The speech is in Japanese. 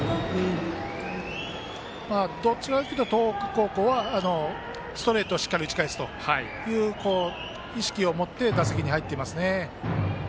どちらかというと東北高校はストレートをしっかり打ち返すという意識を持って打席に入っていますね。